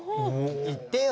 言ってよ。